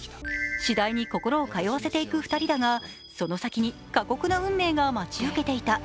次第に心を通わせていく２人だが、その先に過酷な運命が待ち受けていた。